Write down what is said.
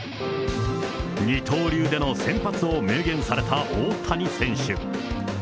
二刀流での先発を明言された大谷選手。